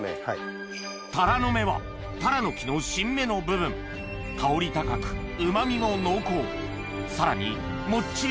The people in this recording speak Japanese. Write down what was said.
タラの芽はタラノキの新芽の部分香り高くうまみも濃厚さらに